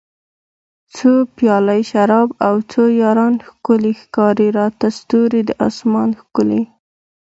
څو پیالۍ شراب او څو یاران ښکلي ښکاري راته ستوري د اسمان ښکلي